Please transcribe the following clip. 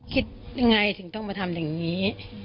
คิดยังไงถึงต้องมาทำอย่างนี้